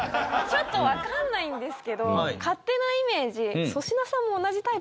ちょっとわかんないんですけど勝手なイメージ粗品さんも同じタイプですよね？